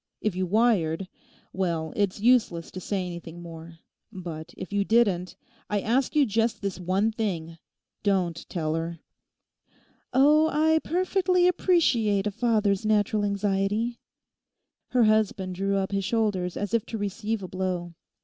If you wired: well, it's useless to say anything more. But if you didn't, I ask you just this one thing. Don't tell her!' 'Oh, I perfectly appreciate a father's natural anxiety.' Her husband drew up his shoulders as if to receive a blow.